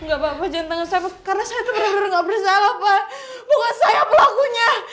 engga pak jangan tangan saya karena saya itu benar benar ga bersalah pak bukan saya pelakunya